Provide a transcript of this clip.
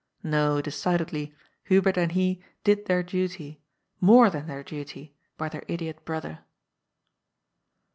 No, decidedly, Hubert and he did their duty, more than their duty, by their idiot brother.